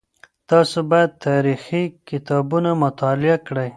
تاسو باید تاریخي کتابونه مطالعه کړئ.